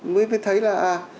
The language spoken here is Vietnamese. mới mới thấy là